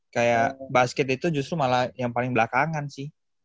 kayak basket itu justru malah yang paling belakangan sih